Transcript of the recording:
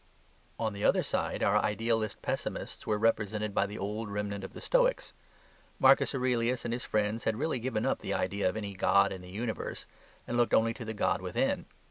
On the other side our idealist pessimists were represented by the old remnant of the Stoics. Marcus Aurelius and his friends had really given up the idea of any god in the universe and looked only to the god within.